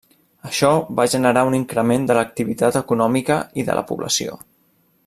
Això va generar un increment de l'activitat econòmica i de la població.